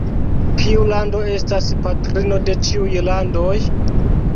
Kiu lando estas patrino de ĉiuj landoj?